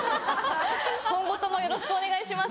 今後ともよろしくお願いします。